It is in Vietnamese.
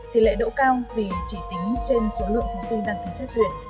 tỷ lệ đỗ cao vì chỉ tính trên số lượng thí sinh đăng ký xét tuyển